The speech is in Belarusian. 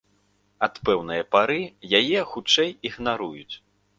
Ад пэўнае пары яе, хутчэй, ігнаруюць.